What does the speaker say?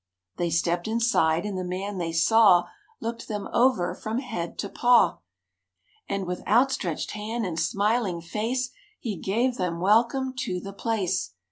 They stepped inside, and the man they saw Looked them over from head to paw And with outstretched hand and smiling face He gave them welcome to the place.